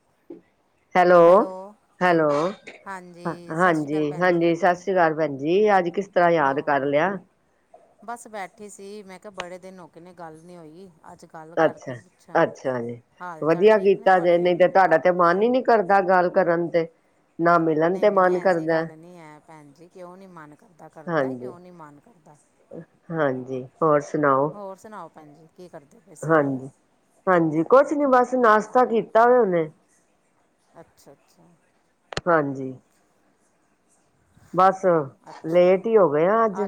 [unintelligible] Hello hello hello, ਹਾਂਜੀ ਸਤਿ ਸ਼੍ਰੀ ਅਕਾਲ ਭੈਣ ਜੀ ਹਾਂਜੀ-ਹਾਂਜੀ, ਸਸ ਸ੍ਰੀ ਕਾਲ ਭੈਣ ਜ ਜੀ ਅੱਜ ਕਿਸ ਕਿਸ ਤਰ੍ਹਾਂ ਯਾਦ ਹੋਰ ਕਰ ਲਿਆ। ਬਸ ਬੈਠੀ ਸੀ ਮੈਂ ਕਿਹਾ ਬੜੇ ਦਿਨ ਹੋਗੇ ਨੇ ਗੱਲ ਨੀ ਹੋਈ। ਅੱਜ ਗੱਲ ਕਰਕੇ ਅੱਛਾ, ਪੁੱਛਾਂ ਅੱਛਾ ਜੀ ਹਾਲ ਚਾਲ ਵਧੀਆ ਠੀਕ ਨੇ ਕੀਤਾ ਜੇ ਤੁਹਾਡੇ ਨਹੀਂ ਤੇ ਤੁਹਾਡਾ ਤੇ ਮਨ ਹੀ ਨੀ ਕਰਦਾ ਗੱਲ ਕਰਨ ਤੇ। ਨਾ ਮਿਲਣ ਨਹੀਂ ਤੇ ਨਹੀਂ, ਮਨ ਐਸੀ ਕਰਦਾ ਗੱਲ ਨਹੀਂ ਹੈ ਭੈਣ ਜੀ ਕਿਉਂ ਨਹੀਂ ਮਨ ਕਰਦਾ ਕਰਦਾ ਹਾਂਜੀ ਕਿਉਂ ਨਹੀਂ ਮਨ ਕਰਦਾ। ਹਾਂਜੀ ਹੋਰ ਸੁਣਾਓ? ਭੈਣਜੀ। ਹਾਂਜੀ-ਹਾਂਜੀ ਕੁਛ ਨੀ ਬਸ ਨਾਸ਼ਤਾ ਕੀਤਾ ਵੇ ਹੁਨੇ। ਅੱਛਾ-ਅੱਛਾ ਹਾਂਜੀ, ਬਸ ਲੇਟ ਹੀ ਹੋ ਗਏ ਆ ਅੱਜ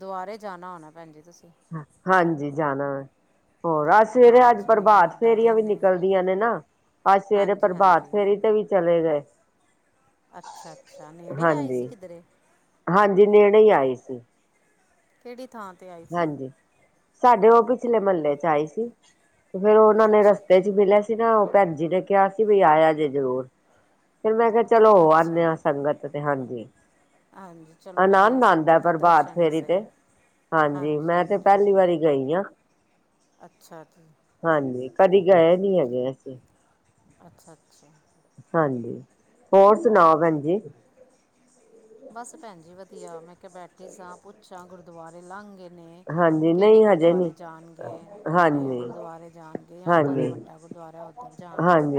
ਦੁਬਾਰੇ ਜਾਣਾ ਹੋਣਾ ਭੈਣ ਜੀ ਤੁਸੀਂ ਹਾਂਜੀ ਜਾਣਾ ਵੈਂ ਹੋਰ ਅੱਜ ਹਾਂ ਸਵੇਰੇ ਅੱਜ ਇੰਨਾ ਪ੍ਰਭਾਤ ਵੱਡਾ ਫੇਰੀਆਂ ਵੀ ਦਿਨ ਹੈ ਨਿਕਲਦੀਆਂ ਨੇ ਨਾ ਅੱਜ ਸਵੇਰੇ ਹਾਂਜੀ ਪ੍ਰਭਾਤ ਹਾਂਜੀ ਫੇਰੀ ਤੇ ਵੀ ਚਲੇ ਗਏ, ਅੱਛਾ ਅੱਛਾ ਨੇੜੇ ਆਈ ਸੀ ਕਿਧਰੇ ਹਾਂਜੀ-ਹਾਂਜੀ। ਨੇਣੇ ਹੀ ਆਈ ਸੀ। ਕਿਹੜੀ ਥਾਂ 'ਤੇ ਆਏ ਸੀ। ਹਾਂਜੀ। ਸਾਡੇ ਉਹ ਪਿਛਲੇ ਮਹੱਲੇ ਚ ਆਈ ਸੀ। ਫੇਰ ਉਹਨਾ ਨੇ ਅੱਛਾ ਰਸਤੇ ਚ ਅੱਛਾ ਮਿਲਿਆ। ਸੀ ਨਾ ਉਹ ਭੈਜੀ ਨੇ ਕਿਹਾ ਸੀ, ਵੀ ਆਇਆ ਜੇ ਜਰੂਰ ਫਿਰ ਮੈਂ ਕਿਹਾ ਚਲੋ ਹੋ ਆਂਦੇ ਅੱਛਾ ਆ ਸੰਗਤ ਤੇ ਹਾਂਜੀ, ਹਾਂਜੀ ਚਲੋ ਵਧੀਆ ਆਨੰਦ ਆਂਦਾ ਸੰਗਤ ਦੇ ਪ੍ਰਭਾਤ ਦਰਸ਼ਨ ਹੀ ਫੇਰੀ ਤੇ ਸਹੀ ਹਾਂਜੀ ਮੈਂ ਤੇ ਪਹਿਲੀ ਵਾਰੀ ਗਈ। [unintelligible] ਅੱਛਾ ਜੀ। ਕਦੇ ਗਏ ਨੀ ਹੈਗੇ ਅਸੀਂ ਅੱਛਾ ਅੱਛਾ ਹਾਂਜੀ ਹੋਰ ਸੁਣਾਓ ਭੈਣ ਜੀ ਬਸ ਭੈਣ ਜੀ ਵਧੀਆ ਮੈਂ ਕੇ ਬੈਠੀ ਸਾਂ ਪੁੱਛਾਂ ਗੁਰ ਦੁਬਾਰੇ ਲੰਘ ਗਗੇ ਆਪਣੇ ਹਾਂਜੀ ਕਿਹੜੇ ਨਹੀਂ ਹਜੇ ਨਹੀਂ ਗੁਰਦੁਆਰੇ ਜਾਣਗੇ ਆਪਣੇ ਹਾਂਜੀ ਗੁਰਦੁਆਰੇ ਜਾਣ ਗੇ ਜਾਂ ਉਹ ਭਰੇ ਹਾਂਜੀ ਵੱਡਾ ਗੁਰਦੁਆਰਾ ਉੱਧਰ ਜਾਣਗੇ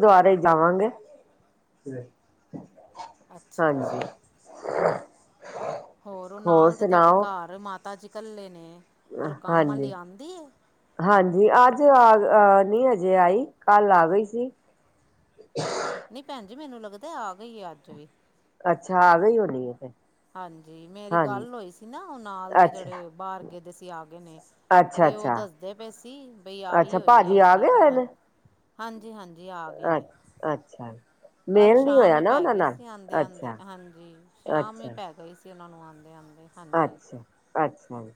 ਦੁਆਰੇ ਜਾਣਗੇ ਅੱਛਾ ਅੱਛਾ ਹਾਂਜੀ ਹੋਰ ਉਹ ਨਾਲ ਤੇ ਤੁਹਾਡੇ ਘਰ ਮਾਤਾ ਤਾ ਜੀ ਇਕੱਲੇ ਨੇ ਫਿਰ ਉਹ ਕੰਮ ਵਾਲੀ ਆਉਂਦੀ ਹੈ ਹਾਂਜੀ-ਹਾਂਜੀ ਅੱਜ ਆ ਅਹ ਨਹੀਂ ਹਜੇ ਆਈ ਕੱਲ ਆ ਗਈ ਸੀ ਨਹੀਂ ਭੈਣ ਜੀ ਮੈਨੂੰ ਲੱਗਦਾ ਆ ਗਈ ਆ ਅੱਜ ਵੀ ਅੱਛਾ ਆ ਗਈ ਹੋਣੀ ਐ ਫਿਰ ਹਾਂਜੀ ਮੇਰੀ ਹਾਂਜੀ ਗੱਲ ਹੋਈ ਸੀ ਨਾ ਉਹ ਨਾਲ ਦੇ ਅੱਛਾ ਜਿਹੜੇ ਬਾਰਗੇ ਦੇ ਸੀ ਆ ਗਏ ਨੇ ਅੱਛਾ ਤੇ ਉਹ ਅੱਛਾ ਦੱਸਦੇ ਪਏ ਸੀ ਬਈ ਆਹੀ ਅੱਛਾ ਹੋਈ ਭਾਜੀ ਹੈਗੀਐ ਹਾਂਜੀ-ਹਾਂਜੀ ਅੱ ਅੱਛਾ ਕੱਲ ਮੇਲ ਨਹੀਂ ਸ਼ਾਮ ਹੋਇਆ ਹੀ ਨਾ ਪੈ ਉਹਨਾਂ ਗਈ ਨਾਲ ਸੀ ਆਂਦੇ ਆਂਦੇ ਅੱਛਾ ਹਾਂਜੀ ਸ਼ਾਮ ਹੀ ਪੈ ਗਈ ਸੀ ਸੇਲਾਂ ਨੂੰ ਆਂਦੇ ਆਂਦੇ ਅੱਛਾ-ਅੱਛਾ ਹਾਂਜੀ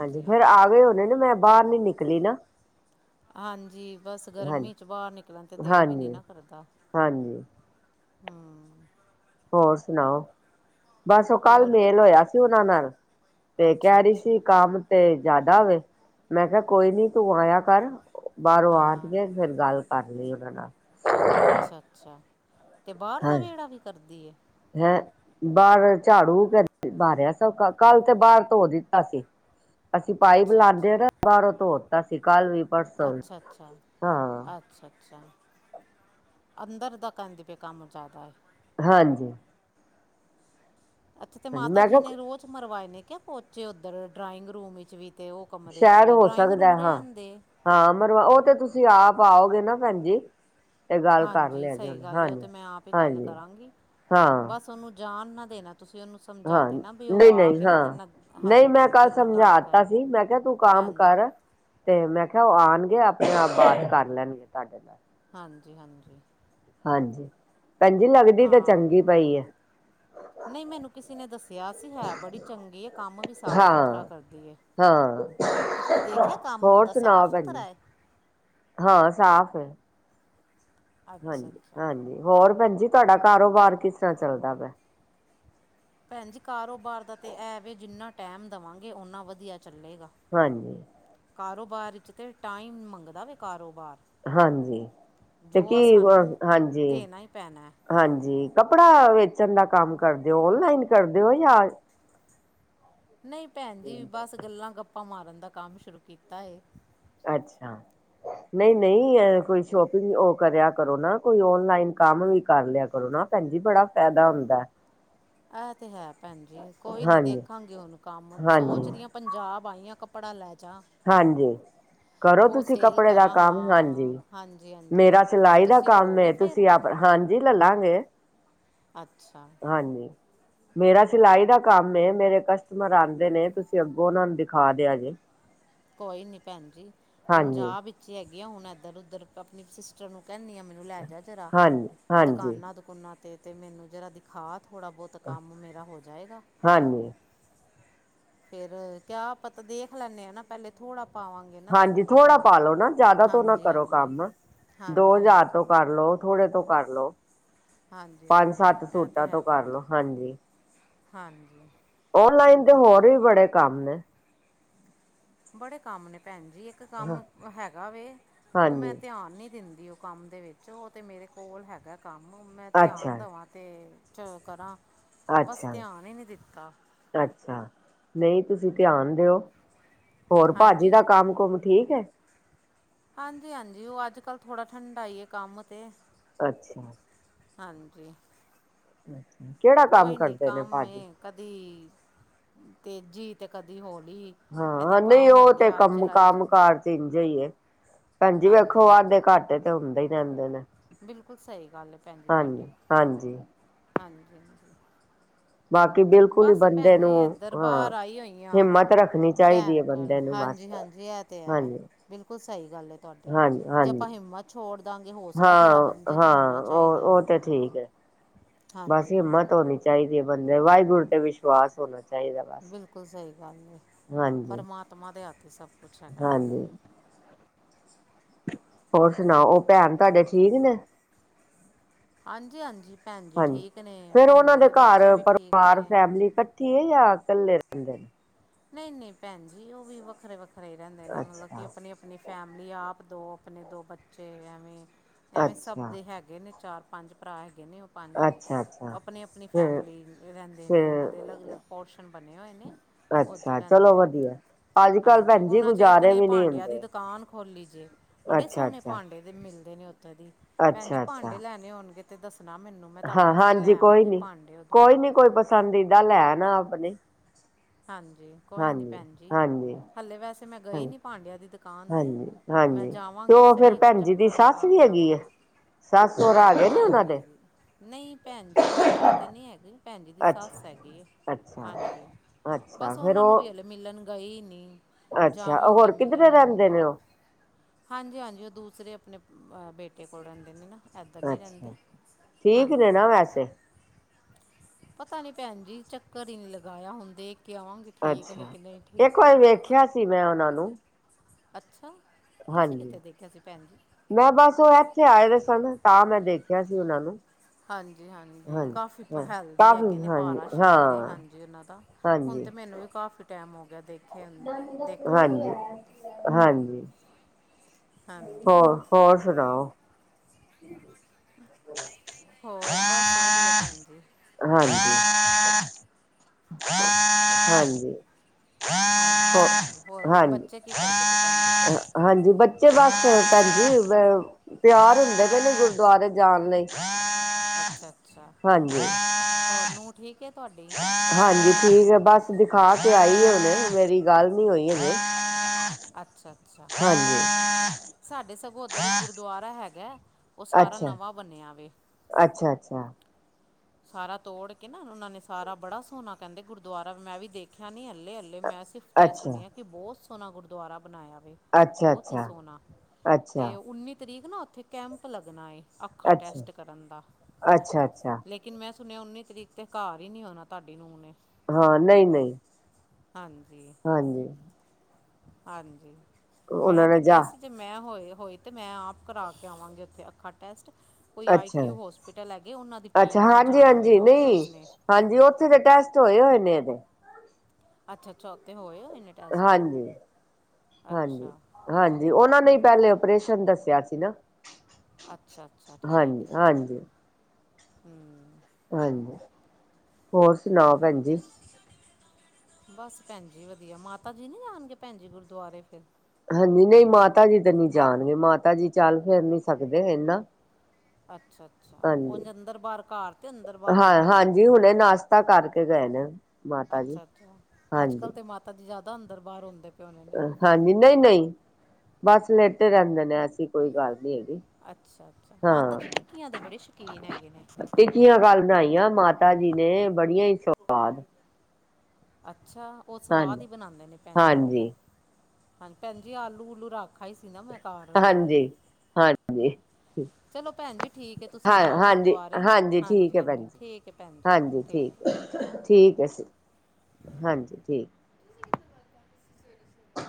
ਹਾਂਜੀ ਫੇਰ ਆ ਗਏ ਹੋਣੇ ਨਾ ਮੈਂ ਬਾਹਰ ਨੀ ਨਿਕਲੀ ਨਾ ਹਾਂਜੀ ਬਸ ਹਾਂਜੀ ਗਰਮੀ ਚ ਬਾਹਰ ਨਿਕਲਣ ਤੇ ਦਿਲ ਵੀ ਨੀ ਹਾਂਜੀ ਨਾ ਕਰਦਾ ਹਾਂਜੀ ਹੂੰ ਹੋਰ ਸੁਣਾਓ ਬਸ ਉਹ ਕੱਲ ਹੋਰ ਮੇਲ ਹੋਇਆ ਸੀ ਉਹਨਾਂ ਨਾਲ ਤੇ ਅੱਛਾ ਕਹਿ ਰਹੀ ਅੱਛਾ ਸੀ ਕੰਮ ਤੇ ਜ਼ਿਆਦਾ ਹੋਵੇ ਮੈਂ ਕਿਹਾ ਕੋਈ ਨੀ ਤੂੰ ਆਇਆ ਕਰ ਬਾਹਰੋਂ ਆ [unintelligible] ਹਾਂ ਫਿਰ ਗੱਲ ਕਰ ਲਈ ਉਹਨਾਂ ਨਾਲ ਅੱਛਾ ਅੱਛਾ ਤੇ ਬਾਹਰ ਦਾ ਹਾਂ ਵਿਹੜਾ ਵੀ ਕਰਦੀ ਹੈ ਹੈਂ ਬਾਹਰ ਝਾੜੂ ਕ ਬਾਰਿਆ ਸਾ ਕੱਲ ਤੇ ਬਾਹਰ ਧੋ ਦਿੱਤਾ ਸੀ ਅਸੀਂ ਪਾਈਪ ਅੱਛਾ ਲਾਂਦੇ ਹਾਂ ਤਾਂ ਬਾਹਰੋਂ ਧੋ ਅਸੀਂ ਕੱਲ ਵੀ ਪਰਸੋਂ ਵੀ ਅੱਛਾ-ਅੱਛਾ ਹਾਂ ਅੱਛਾ-ਅੱਛਾ ਅੰਦਰ ਦਾ ਕਹਿੰਦੀ ਪਈ ਏ ਕੰਮ ਜਿਆਦਾ ਏ। ਹਾਂਜੀ। ਅੱਛਾ ਤੇ ਹਾਂਜੀ ਮਾਤਾ ਮੈਂ ਜੀ ਕਿਹਾ ਨੇ ਰੋਜ਼ ਮਰਵਾਏ ਨੇ। ਕਿਆ ਪੋਚੇ ਔਦਰ ਡਰਾਇੰਗ ਰੂਮ ਵਿੱਚ ਵੀ। ਤੇ ਉਹ ਕਮਰੇ 'ਚ ਸ਼ਾਇਦ ਵੀ ਹੋ ਡਰਾਇੰਗ ਰੂਮ ਸਕਦਾ ਹਾਂ, ਰਹਿਣ ਦੇ ਹਾਂ ਮਰਵ ਓਹ ਤੇ ਤੁਸੀਂ ਆਪ ਪਾਓਗੇ ਨਾ ਭੈਣ ਜੀ ਤੇ ਗੱਲ ਕਰ ਹਾਂਜੀ, ਲਿਆ ਜੇ ਸਹੀ ਉਹਨੇ ਗੱਲ ਏ ਓਹ ਹਾਂਜੀ ਤੇ ਮੈਂ ਆਪ ਈ ਗੱਲ ਹਾਂਜੀ ਕਰਾਂਗੀ ਹਾਂ ਬਸ ਓਨੂੰ ਜਾਣ ਨਾ ਦੇਣਾ। ਤੁਸੀਂ ਉਹਨੂੰ ਸਮਝਾ ਹਾਂ, ਦੇਣਾ ਵੀ ਉਹ ਨਹੀਂ ਆ ਨਹੀਂ ਕੇ ਨਾ ਤੇਰੇ ਹਾਂ ਨਾਲ ਨਹੀਂ ਮੈਂ ਹਾਂਜੀ ਕੱਲ ਤੇਰੇ ਨਾਲ ਗੱਲ ਸਮਝਾ ਕਰ ਦਿੱਤਾ ਲੇ ਸੀ ਮੈਂ ਕਿਆ ਤੂੰ ਕੰਮ ਹਾਂਜੀ ਕਰ ਤੇ ਮੈਂ ਕਿਹਾ ਔ ਆਣਗੇ ਆਪਣੇ ਆਪ ਬਾਤ ਕਰ ਲੈਣਗੇ, ਤੁਹਾਡੇ ਨਾਲ। ਹਾਂਜੀ ਹਾਂਜੀ। ਹਾਂਜੀ। ਭੈਣ ਜੀ ਲੱਗਦੀ ਤਾਂ ਹਾਂ, ਚੰਗੀ ਪਈ ਹੈ ਨਹੀਂ ਮੈਨੂੰ ਕਿਸੇ ਨੇ ਦੱਸਿਆ ਸੀ ਹੈ ਬੜੀ ਚੰਗੀ ਏ ਕੰਮ ਵੀ ਸਾਫ ਸੁਥਰਾ ਹਾਂ ਕਰਦੀ ਏ, ਹਾਂ ਤੁਸੀਂ ਦੇਖਿਆ ਕੰਮ ਹੋਰ ਓਦਾ ਸੁਣਾਓ ਸਾਫ ਭੈਣ ਜੀ ਸੁਥਰਾ ਏ। ਹਾਂ ਸਾਫ਼ ਹੈ ਹਾਂਜੀ ਹਾਂਜੀ, ਹੋਰ? ਭੈਣਜੀ, ਤੁਹਾਡਾ ਕਾਰੋਬਾਰ ਕਿਸ ਤਰ੍ਹਾਂ ਚੱਲਦਾ ਪਿਆ ਭੈਣ ਜੀ ਕਾਰੋਬਾਰ ਦਾ ਤੇ ਐ ਵੇ ਜਿੰਨਾ ਟੈਮ ਦੇਵਾਂਗੇ ਔਨਾਂ ਵਧੀਆ ਚੱਲੇਗਾ। ਹਾਂਜੀ। ਕਾਰੋਬਾਰ ਚ ਤੇ ਟਾਈਮ ਮੰਗਦਾ ਵੇ ਕਾਰੋਬਾਰ। ਹਾਂਜੀ, ਤੇ ਜੋ ਕੀ ਅ ਸਾਨੂੰ ਦੇਣਾ ਹੀ ਪੈਣਾ ਹੈ। ਹਾਂਜੀ-ਹਾਂਜੀ ਕੱਪੜਾ ਵੇਚ ਵੇਚਣ ਦਾ ਕੰਮ ਕਰਦੇ ਔ, ਔਨਲਾਈਨ ਕਰਦੇ ਔ ਜਾ ਨਹੀਂ, ਭੈਣਜੀ ਬਸ ਗੱਲਾਂ ਗੱਪ ਗੱਪਾਂ ਮਾਰਨ ਦਾ ਕੰਮ ਸ਼ੁਰੂ ਕੀਤਾ ਏ। ਅੱਛਾ, ਨਹੀਂ ਨਹੀਂ ਆ ਕੋਈ ਸ਼ੋਪਿੰਗ ਔ ਕਰਿਆ ਕਰੋ ਨਾ ਕੋਈ ਔਨਲਾਈਨ ਕੰਮ ਵੀ ਕਰ ਲਿਆ ਕਰੋ, ਨਾ ਭੈਣਜੀ ਬੜਾ ਫੈਦਾ ਹੁੰਦਾ। ਐ ਤੇ ਹੈ ਭੈਣਜੀ ਕੋਈ ਨੀ ਹਾਂਜੀ ਦੇਖਾਂਗੇ ਹੁਣ ਕੰਮ ਹਾਂਜੀ ਸੋਚਰੀਆਂ ਪੰਜਾਬ ਵਾਹੀਆਂ ਕੱਪੜਾ ਲੈ ਜਾ। ਹਾਂਜੀ ਕਰੋ ਉਹ ਤੁਸੀਂ ਸੇਲ ਕੱਪੜੇ ਦਾ ਕਰਾਂ ਕਮ, ਹਾਂ ਹਾਂਜੀ ਹਾਂਜੀ ਹਾਂਜੀ। ਮੇਰਾ ਸਿਲਾਈ ਦਾ ਤੁਸੀਂ ਕਮ ਲਓਗੇ ਏ ਫਿਰ ਤੁਸੀਂ ਆਪ ਹਾਂਜੀ ਲੇਲਾਂਗੇ ਅੱਛਾ ਹਾਂਜੀ। ਮੇਰਾ ਸਿਲਾਈ ਦਾ ਕੰਮ ਏ ਮੇਰੇ ਕਸਟਮਰ ਆਂਦੇ ਨੇ ਤੁਸੀਂ ਅੱਗੋਂ ਓਨਾਂ ਨੂੰ ਦਿਖਾ ਦਿਆ ਜੇ। ਕੋਈ ਨੀ ਭੈਣ ਜੀ ਹਾਂਜੀ ਪੰਜਾਬ ਵਿੱਚੀ ਹੈਗ ਹੁਣ, ਐਧਰ ਉੱਧਰ ਅਪਣੀ ਸਿਸਟਰ ਨੂੰ ਕਹਿਣੀ ਆ ਮੈਨੂੰ ਲੈ ਜਾ ਜਰਾ ਹਾਂਜੀ ਹਾਂਜੀ ਦੁਕਾਨਾਂ-ਦੁਕੁਨਾਂ ਤੇ। ਤੇ ਮੈਨੂੰ ਜਰਾ ਦਿਖਾ। ਥੋੜ੍ਹਾ ਬੌਤ ਕੰਮ ਮੇਰਾ ਹੋ ਜਾਏਗਾ। ਹਾਂਜੀ ਫੇਰ ਕਿਆ ਆਪਾਂ ਤਾਂ ਦੇਖ ਲੈਂਨੇ ਹਾਂ ਨਾ ਪਹਿਲੇ ਥੋੜ੍ਹਾ। ਪਾਵਾਂਗੇ ਨਾ ਹਾਂਜੀ ਥੋੜਾ ਕੱਪੜਾ ਪਾ ਲੋ ਨਾ ਜ਼ਿਆਦਾ ਤੋਂ ਨਾ ਹਾਂਜੀ ਕਰੋ ਹਾਂਜੀ ਕੰਮ ਦੋ ਹਾਂਜੀ ਹਜ਼ਾਰ ਤੋਂ ਹਾਂਜੀ ਕਰ ਲਓ ਥੋੜੇ ਤੋਂ। ਕਰਲੋ। ਹਾਂਜੀ ਪੰਜ ਹਾਂਜੀ ਸੱਤ ਇਹ ਤਾਂ ਸੂਟਾਂ ਹੈ ਤੋਂ ਭੈਣ ਕਰਲੋ ਜੀ ਹਾਂਜੀ ਹਾਂਜੀ ਔਨਲਾਈਨ ਹੋਰ ਵੀ ਬੜੇ ਕੰਮ ਨੇ ਬੜੇ ਕੰਮ ਨੇ ਭੈਣ ਜੀ। ਜੀ ਇੱਕ ਹਾਂ, ਕੰਮ ਹੈਗਾ ਵੇ ਉਹ ਮੈਂ ਹਾਂਜੀ ਧਿਆਨ ਨਹੀਂ ਦਿੰਦੀ ਦੀ ਉਹ ਕੰਮ ਦੇ ਵਿੱਚੋ ਉਹ ਤਾਂ ਮੇਰੇ ਕੋਲ ਹੈਗਾ। ਕੰਮ ਮੈਂ ਧਿਆਨ ਦੇਵਾਂ ਤੇ ਚਲ ਕਰਾਂ ਬਸ ਧਿਆਨ ਹੀ ਨਹੀਂ ਦਿੱਤਾ ਅੱਛਾ-ਅੱਛਾ ਨਹੀਂ। ਤੁਸੀਂ ਧਿਆਨ ਦਿਓ। ਹੋਰ ਭਾਜੀ ਹਾਂਜੀ ਦਾ ਕੰਮ ਕੁਮ ਠੀਕ ਹੈ? ਹਾਂਜੀ-ਹਾਂਜੀ ਉਹ ਅੱਜ ਕੱਲ ਥੋੜਾ ਠੰਡਾ ਹੀ ਹੈ, ਕੰਮ ਤੇ ਅੱਛਾ। ਹਾਂਜੀ। ਅੱਛਾ। ਕਿਹੜਾ ਕੰਮ ਕੋਈ ਨੀ ਕਰਦੇ ਨੇ ਕੰਮ ਭਾਜੀ ਇਹ ਕਦੀ ਤੇਜ਼ੀ। ਤੇ ਕਦੀ ਹੋਰ। ਹਾਂ ਨਹੀਂ ਉਹ ਤੇ ਕੰਮ-ਕੰਮ ਕਾਰ ਚ ਇੰਝ ਹੀ ਇਹ ਭੈਣਜੀ ਹਾਂਜੀ ਵੇਖੋ ਵਾਧੇ ਹਾਂਜੀ ਘਾਟੇ ਤੇ ਹੁੰਦਾ ਏ ਨੇ। ਲਿਆਂਦੇ ਨੇ ਬਿਲਕੁਲ ਸਹੀ ਗੱਲ ਹੈ। ਭੈਣ ਜੀ ਤੁਹਾਡੀ ਹਾਂਜੀ ਹਾਂਜੀ ਹਾਂਜੀ-ਹਾਂਜੀ। ਬਾਕੀ ਬਿਲਕੁਲ ਹੀ ਬੰਦੇ ਨੂੰ ਇੱਧਰ ਹ ਬਾਹਰ ਆਈ ਹੋਈ ਆ ਹਿੰਮਤ ਰੱਖਣੀ ਚਾਹੀਦੀ ਹੈ। ਭੈਣ ਕੋਲ ਬੰਦੇ ਨੂੰ, ਬਸ ਹਾਂਜੀ ਹਾਂਜੀ ਇਹ ਤੇ ਹੈ ਹਾਂਜੀ ਬਿਲਕੁਲ ਸਹੀ ਗੱਲ ਏ ਤੁਹਾਡੀ, ਹਾਂਜੀ ਜੇ ਆਪਾਂ ਹਿੰਮਤ ਛੋੜ ਦਿਆਂਗੇ ਹੌਸਲਾ ਥੋੜ੍ਹਾ ਬੰਦੇ 'ਚ ਹੋਣਾ ਹਾਂ-ਹਾਂ ਚਾਹੀਦਾ ਉਹ-ਉਹ ਤੇ ਠੀਕ ਹੈ ਬਸ ਹਾਂਜੀ ਹਾਂਜੀ ਹਿੰਮਤ ਹੋਣੀ ਚਾਹੀਦੀ। ਬੰਦੇ ਵਾਹਿਗੁਰੂ ਤੇ ਵਿਸ਼ਵਾਸ ਹੋਣਾ ਚਾਹੀਦਾ। ਬਸ ਬਿਲਕੁਲ ਸਹੀ ਗੱਲ ਹੈ ਹਾਂਜੀ ਪਰਮਾਤਮਾ ਦੇ ਹੱਥ। ਅਤੇ ਸਭ। ਕੁੱਛ ਹੈਗਾ ਹਾਂਜੀ ਹੋਰ ਸੁਣਾਓ ਉਹ ਭੈਣ ਤੁਹਾਡੀ ਠੀਕ ਨੇ? ਹਾਂਜੀ-ਹਾਂਜੀ। ਹਾਂਜੀ ਫਿਰ ਉਹਨਾਂ ਦੇ ਘਰ ਵੀ ਠੀਕ ਪਰਿਵਾਰ ਨੇ ਫੈਮਿਲੀ ਇਕੱਠੀ ਏ? ਯਹ ਕੱਲੇ ਰਹਿੰਦੇ ਨੇ? [inaudible] ਨਹੀਂ-ਨਹੀਂ। ਭੈਣ ਜੀ ਉਹ ਵੀ ਵੱਖਰੇ-ਵੱਖਰੇ। ਵੱਖਰੇ ਹੀ ਰਹਿੰਦੇ ਨੇ ਮਤਲਬ ਕਿ ਅੱਛਾ ਆਪਣੀ-ਆਪਣੀ ਫੈਮਲੀ ਆਪ ਦੋ ਆਪਣੇ ਦੋ ਬੱਚੇ ਐਵੇਂ ਐਵੇਂ ਸਭ ਅੱਛਾ ਦੇ ਹੈਗੇ ਨੇ ਚਾਰ ਪੰਜ ਭਰਾ ਹੈਗੇ ਹੈਗੇ ਨੇ ਉਹ ਪੰਜ ਅੱਛਾ ਅੱਛਾ ਆਪਣੀ ਆਪਣੀ ਫਿਰ ਫੈਮਿਲੀ ਰਹਿੰਦੇ ਨੇ ਉਹਨਾਂ ਫਿਰ ਦੇ ਅਲੱਗ-ਅਲੱਗ ਪੋਰਸ਼ਨ ਬਣੇ ਹੋਏ ਨੇ ਉੱਧਰ ਅੱਛਾ ਰਹਿੰਦੇ ਚਲੋ ਨੇ ਵਧੀਆ ਅੱਜ ਕੱਲ ਹਾਂਜੀ ਭੈਣ ਜੀ ਉਹਨਾਂ ਚ ਇੱਕ ਗੁਜ਼ਾਰੇ ਨੇ ਵੀ ਨਹੀਂ ਭਾਂਡਿਆਂ ਦੀ ਹੁੰਦੇ ਦੁਕਾਨ ਖੋਲੀ ਸੀ ਬੜੇ ਅੱਛਾ ਸੋਹਣੇ ਅੱਛਾ ਭਾਂਡੇ ਦੇ ਮਿਲਦੇ ਨੇੇ ਦੀ ਭੈਣ ਜੀ ਅੱਛਾ ਅੱਛਾ ਭਾਂਡੇ ਲੈਣੇ ਹੋਣਗੇ ਤੇ ਦੱਸ ਹਾਂ ਹਾਂਜੀ ਕੋਈ ਉੱਧਰੋਂ ਨੀ-ਕੋਈ ਦੇ ਨੀ ਕੋਈ ਪਸੰਦ ਦੀਦਾ ਲੈ ਆਨਾ- ਆਪਣੇ ਹਾਂਜੀ ਕੋਈ ਨਹੀਂ ਹਾਂਜੀ ਭੈਣ ਜੀ ਹਾਂਜੀ ਹਾਲੇ ਵੈਸੇ ਮੈਂ ਗਈ ਹਾਂਜੀ ਨਹੀਂ ਭਾਂਡੇ ਆ ਦੀ ਦੁਕਾਨ 'ਤੇ ਹਾਂਜੀ ਮੈਂ ਹਾਂਜੀ ਤੇ ਜਾਵਾਂਗੀ ਉਹ ਸਹੀ ਫਿਰ ਇੱਕ ਭੈਣ ਜੀ ਦੀ ਚੱਕਰ ਸੱਸ ਲਗਾ ਵੀ ਕੇ ਹੈਗੀ ਹੈ ਆਵਾਂਗੀ ਸੱਸ ਸਹੁਰਾ ਆ ਹਾਂਜੀ ਗਏ ਨੇ ਭੈਣ ਉਹਨਾਂ ਦੇ ਜੀ ਨਹੀਂ ਭੈਣ ਜੀ ਦਾ ਸੋਹਰਾਦ ਤੇ ਨਹੀਂ ਹੈਗਾ। ਭੈਣ ਜੀ ਦੀ ਸੱਸ ਅੱਛਾ ਹੈਗੀ ਹੈ ਅੱਛਾ ਹਾਂਜੀ ਅੱਛਾ ਫੇਰ ਉਹ ਗਈਨੀ ਅੱਛਾ ਜਾਵਾਂਗੀ, ਹੋਰ ਕਿੱਧਰੇ ਮਿਲਣ ਰਹਿੰਦੇ ਨੇ ਉਹ ਹਾਂਜੀ-ਹਾਂਜੀ, ਉਹ ਦੂਸਰੇ ਆਪਣੇ ਬੇਟੇ ਕੋਲ ਰਹਿੰਦੇ ਨੇ ਨਾ। ਇੱਧਰ ਨਹੀਂ ਅੱਛਾ, ਰਹਿੰਦੇ ਠੀਕ ਨੇ ਹਾਂਜੀ ਨਾ ਵੈਸੇ। ਪਤਾ ਨੀ ਭੈਣ ਜੀ, ਚੱਕਰ ਹੀ ਨਹੀਂ ਲਗਾਇਆ ਹੁੰਦੇ ਅੱਛਾ, ਇੱਕ ਵਾਰੀ ਵੇਖਿਆ ਸੀ ਮੈਂ ਉਹਨਾਂ ਨੂੰ। ਅੱਛਾ। ਤੁਸੀਂ ਹਾਂਜੀ ਕਿੱਥੇ ਦੇਖਿਆ ਸੀ ਭੈਣ ਜੀ? ਮੈਂ ਬਸ ਉਹ ਇੱਥੇ ਆਏ ਹੋਏ ਸਨ ਤਾਂ ਮੈਂ ਦੇਖਿਆ ਸੀ ਉਹਨਾਂ ਨੂੰ। ਹਾਂਜ ਜੀ ਹਾਂਜੀ, ਕਾਫੀ ਹਾਂ ਹੈਲਦੀ ਕਾਫੀ ਹੈਗੇ ਨੇ ਭਾਰਾ ਹਾਂਜੀ ਸਰੀਰ ਹੈ ਹਾਂ ਹਾਂਜੀ, ਉਹਨਾਂ ਦਾ। ਹੁਣ ਤੇ ਮੈਨੂੰ ਵੀ ਕਾਫੀ ਟਮ ਨਮੋ ਹਾਂਜੀ-ਹਾਂਜੀ। ਹਾਂਜੀ ਹੋਰ-ਹੋਰ ਸੁਣਾਓ। ਹੂੰ। ਹੋਰ ਬਸ ਵਧੀਆ ਭੈਣ ਜੀ। ਹਾਂਜੀ ਹਾਂਜੀ। ਹੋ ਹਾਂਜੀ-ਹਾਂਜੀ, ਹੋਰ ਹਾਂਜੀ ਬੱਚੇ ਕੀ ਕਰਦੇ ਪਏਂ ਭੈਣਂ ਜੀ? ਭੈਣਜੀ ਤਿਆਰ ਹੁੰਦੇ ਪਯੇ ਨੇ ਗੁਰਦੁਆਰੇ ਜਾਣ ਲਈ। ਅੱਛਾ-ਅੱਛਾ, ਹਾਂਜੀ ਹੋਰ ਨੂੰਹ ਠੀਕ ਹੈ। ਤੁਹਾਡੀ ਹਾਂਜੀ, ਠੀਕ ਹੈ ਬਸ ਦਿਖਾ ਕੇ ਆਈ ਹੈ ਹੁਨੇ। ਮੇਰੀ ਗੱਲ ਨੀ ਹੋਈ ਅਜੇ। ਅੱਛਾ। ਹਾਂਜੀ। ਸੱਤ ਇਧਰ ਇੱਕ ਗੁਰਦੁਆਰਾ ਹੈਗਾ। ਉਹ ਸਾਰਾ ਨਵਾਂ ਬਣਿਆ ਵੇ। ਅੱਛਾ-ਅੱਛਾ। ਸਾਰਾ ਤੋੜ ਕੇ ਨਾ ਉਹਨਾਂ ਨੇ ਸਾਰਾ ਬੜਾ ਸੋਹਣਾ ਕਹਿੰਦੇ ਗੁਰਦੁਆਰਾ ਮੈਂ ਵੀ ਦੇਖਿਆ ਨੀ ਹਲੇ-ਹਲੇ ਮੈਂ ਸਿਫਤਾਂ ਹੀ ਅੱਛਾ ਸੁੱਣੀ ਹ ਕਿ ਬਹੁਤ ਸੋਹਣਾ ਗੁਰਦੁਆਰਾ ਬਣਾਇਆ। ਅੱਛਾ ਬਹੁਤ ਹੀ ਅੱਛਾ ਸੋਹਣਾ ਅੱਛਾ ਤੇ ਉੱਨੀ ਤਰੀਕ ਨਾ ਉੱਥੇ ਕੈਂਪ ਲੱਗਣਾ ਏ। ਅੱਖਾਂ ਟੈਸਟ ਕਰਨ ਦਾ ਅੱਛਾ-ਅੱਛਾ-ਅੱਛਾ ਲੇਕਿਨ ਮੈਂ ਸੁਣਿਆ ਉੱਨੀ ਤਰੀਕ ਤੇ ਘਰ ਹੀ ਨੀ ਹੋਣਾ ਤੁਹਾਡੀ ਨੂੰਹ ਨੇ। ਹਾਂ ਨਹੀਂ-ਨਹੀਂ। ਹਾਂਜੀ। ਹਾਂਜੀ। ਮੈਂ ਉਹਨਾਂ ਨੇ ਤੇ ਜਾ ਕਿਹਾ ਸੀ ਜੇ ਮੈਂ ਹੋਏ। ਹੋਏ ਤੇ ਮੈਂ ਆਪ ਕਰਾ ਕੇ ਆਵਾਂਗੀ ਉੱਥੇ ਅੱਖਾਂ ਟੈਸਟ ਕੋਈ ਆਈ ਕਿਊ ਹੌਸਪੀਟਲ ਹੈਗੇ ਉਹਨਾਂ ਦੀ ਅੱਛਾ-ਅੱਛਾ ਟੀਮ ਨੇ ਜਾਣਾ ਵੇ ਹਾਂਜੀ-ਹਾਂਜੀ ਨਹੀਂ ਡਾਕਟਰਸ ਨੇ ਹਾਂਜੀ ਉੱਥੇ ਦੇ ਟੈਸਟ ਹੋਏ ਓਏ ਨੇ [unintelligible] ਅੱਛਾ- ਅੱਛਾ ਓਥੇ ਹੋਏ ਆ। ਅੱਛਾ ਹਾਂਜੀ-ਹਾਂਜੀ-ਹਾਂਜੀ ਉਹਨਾਂ ਨੇ ਪਹਿਲੇ ਆਪ੍ਰੇਸ਼ਨ ਦੱਸਿਆ ਸੀ ਨਾ ਅੱਛਾ-ਅੱਛਾ ਹਾਂਜੀ, ਠੀਕ ਏ। ਹਾਂਜੀ, ਹੂੰ ਹਾਂਜੀ ਹੋਰ ਸੁਣਾਓ ਭੈਣਜੀ ਬਸ ਭੈਣਜੀ ਵਧੀਆ ਮਾਤਾ ਜੀ ਨੀ ਆਣਗੇ ਭੈਣ ਜੀ ਗੁਰਦੁਆਰੇ ਫਿਰ ਹਾਂਜੀ ਨਹੀਂ ਮਾਤਾ ਜੀ ਤੇ ਨਹੀਂ ਜਾਣਗੇ ਮਾਤਾ ਜੀ ਚੱਲ ਫਿਰ ਨੀ ਸਕਦੇ ਇਨਾੱ ਅੱਛਾ ਅੱਛਾ ਉਝ ਹਾਂਜੀ ਅੰਦਰ ਬਾਹਰ ਘਰ ਤੇ ਅੰਦਰ ਬਾਹਰ ਹਾਂ ਹੁੰਦੇ ਹਾਂਜੀ ਹੋਣਗੇ ਹੁਣੇ ਨਾਸ਼ਤਾ ਕਰ [unintelligible] ਅੱਛਾ-ਅੱਛਾ ਅੱਜ ਕੱਲ ਤੇ ਮਾਤਾ ਜੀ ਜ ਉਹਦਾ ਅੰਦਰ ਬਾਹਰ ਆਂਦੇ। ਹਾਂਜੀ ਨਹੀਂ-ਨਹੀਂ। ਬਸ ਲੇਟੇ ਰਹਿੰਦੇ ਨੇ ਐਸੀ ਕੋਈ ਗੱਲ ਨੀ ਹੈਗੀ। ਅੱਛਾ-ਅੱਛਾ ਮਾਤਾ ਹਾਂ ਜੀ ਟਿੱਕੀਆਂ ਦੇ ਬੜੇ ਸ਼ੌਕੀਨ ਹੈਗੇ ਨੇ। ਟਿੱਕੀਆਂ ਕੱਲ ਬਣਾਈਆਂ ਮਾਤਾ ਜੀ ਨੇ ਬੜੀਆਂ ਸਵਾਦ ਅੱਛਾ ਉਹ ਸਵਾਦ ਹਾਂਜੀ ਹੀ ਬਣਾਦੇ ਨੇ ਭੈਣ ਜੀ। ਹਾਂਜੀ ਹਾਂਜੀ ਭੈਣ ਜੀ ਆਲੂ ਉਲੂ ਰੱਖਾ ਹੀ ਸੀ ਨਾ ਮੈਂ ਘਰ ਹਾਂਜੀ -ਹਾਂ। ਹਾਂਜੀ ਚਲੋ ਭੈਣ ਜੀ ਠੀਕ ਹੈ ਤੁਸੀਂ ਹਾਂ ਜਾਓ ਹਾਂਜੀ- ਗੁਰਦੁਆਰੇ ਹਾਂਜੀ ਠੀਕ ਹੈ ਭੈਣ ਹਾਂਜੀ ਜੀ ਠੀਕ ਹੈ ਭੈਣ ਜੀ ਹਾਂਜੀ ਹੈ ਠੀਕ- ਠੀਕ ਹੈ ਹਾਂਜੀ ਠੀਕ